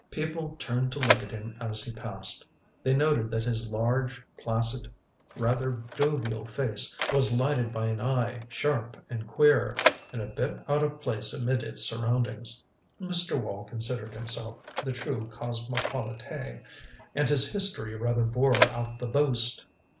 People turned to look at him as he passed. They noted that his large, placid, rather jovial face was lighted by an eye sharp and queer, and a bit out of place amid its surroundings. Mr. Wall considered himself the true cosmopolite, and his history rather bore out the boast.